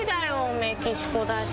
メキシコだし。